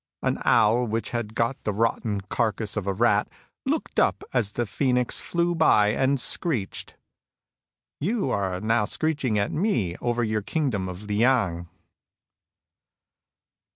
An owl which had got the rotten carcass of a rat, looked up as the phoenix flew by, and screeched. Are you not screeching at me over your kingdom of Liang